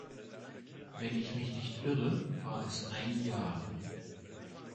Wenn ich mich nicht irre, war es ein Jahr.